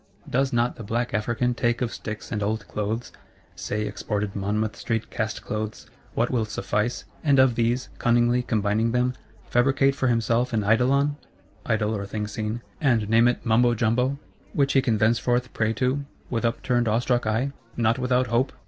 Does not the Black African take of Sticks and Old Clothes (say, exported Monmouth Street cast clothes) what will suffice, and of these, cunningly combining them, fabricate for himself an Eidolon (Idol, or Thing Seen), and name it Mumbo Jumbo; which he can thenceforth pray to, with upturned awestruck eye, not without hope?